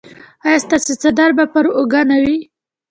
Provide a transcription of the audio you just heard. ایا ستاسو څادر به پر اوږه نه وي؟